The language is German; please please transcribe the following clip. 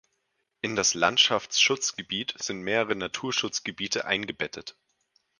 In das Landschaftsschutzgebiet sind mehrere Naturschutzgebiete eingebettet.